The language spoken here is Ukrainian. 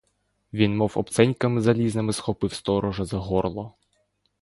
Він мов обценьками залізними схопив сторожа за горло.